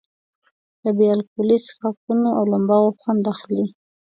له بې الکولي څښاکونو او لمباوو خوند اخلي.